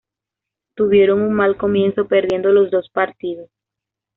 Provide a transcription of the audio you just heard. Tuvieron un mal comienzo, perdiendo los dos partidos.